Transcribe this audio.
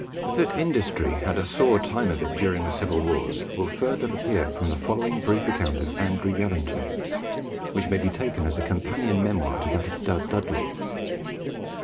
That industry had a sore time of it during the civil wars will further appear from the following brief account of Andrew Yarranton, which may be taken as a companion memoir to that of Dud Dudley.